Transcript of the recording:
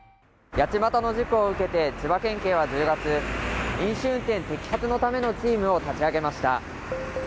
八街の事故を受けて千葉県警は１０月飲酒運転摘発のためのチームを立ち上げました。